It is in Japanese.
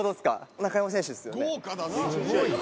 中山選手っすよね。